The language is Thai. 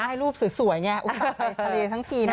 จะได้รูปสวยอย่างนี้อุ๊ยถ่ายไปทะเลทั้งปีนะ